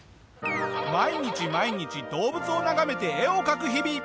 毎日毎日動物を眺めて絵を描く日々。